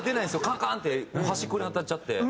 カンカンって端っこに当たっちゃって。